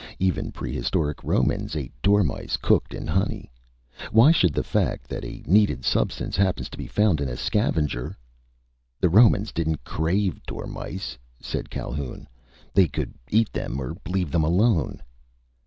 Even prehistoric Romans ate dormice cooked in honey! Why should the fact that a needed substance happens to be found in a scavenger...." "The Romans didn't crave dormice," said Calhoun. "They could eat them or leave them alone."